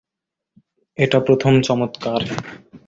এটা প্রথম চমৎকার।